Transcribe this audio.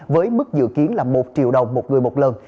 với mức dự kiến là một triệu đồng một người một lần